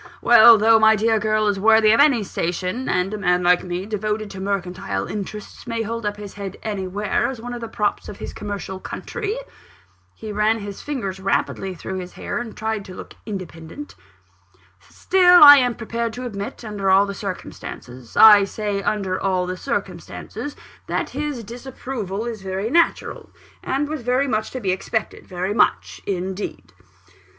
Well, though my dear girl is worthy of any station; and a man like me, devoted to mercantile interests, may hold his head up anywhere as one of the props of this commercial country," (he ran his fingers rapidly through his hair, and tried to look independent), "still I am prepared to admit, under all the circumstances I say under all the circumstances that his disapproval is very natural, and was very much to be expected very much indeed."